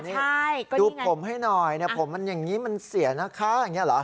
นี่ดูผมให้หน่อยผมมันอย่างนี้มันเสียนะคะอย่างนี้เหรอ